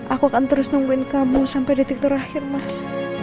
aku akan terus nungguin kamu sampai detik terakhir mas